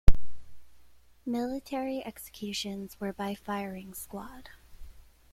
Military executions were by firing squad.